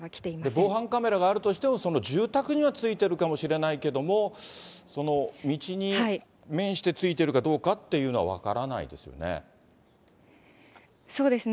防犯カメラがあるとしても、その住宅にはついてるかもしれないけども、その道に面してついてるかどうかっていうのは分からないですよね。